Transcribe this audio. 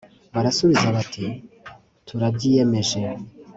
barasubiza bati turabyiyemeje